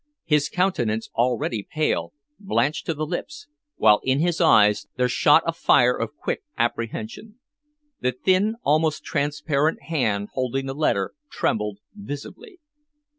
His countenance, already pale, blanched to the lips, while in his eyes there shot a fire of quick apprehension. The thin, almost transparent hand holding the letter trembled visibly.